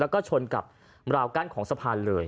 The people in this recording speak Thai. แล้วก็ชนกับราวกั้นของสะพานเลย